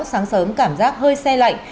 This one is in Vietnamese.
sáng sớm cảm giác hơi xe lạnh